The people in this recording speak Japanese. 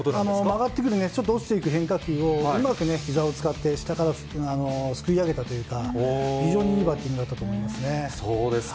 曲がってくるちょっと落ちていく変化球を、うまくひざを使って、下からすくい上げたというか、非常にいいバッティングだったとそうですか。